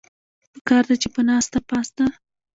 پکار ده چې پۀ ناسته پاسته